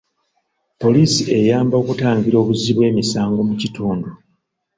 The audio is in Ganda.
Poliisi eyamba okutangira obuzzi bw'emisango mu kitundu.